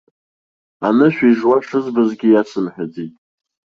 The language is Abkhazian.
Анышә ижуа шызбазгьы иасымҳәаӡеит.